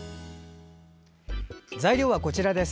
材料はこちらです。